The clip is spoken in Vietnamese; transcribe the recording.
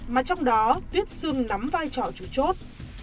mà trong đó tuyết xương nắm vai trò chủ chốt